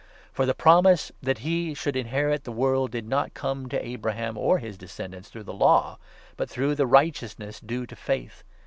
For the promise that he should inherit the world did not 13 come to Abraham or his descendants through Law, but through the righteousness due to faith.